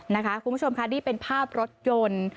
คุณผู้ชมค่ะนี่เป็นภาพรถยนต์